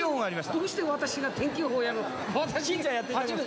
どうして私が天気予報やるの？